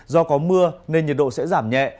do có mưa nên nhiệt độ sẽ giảm nhẹ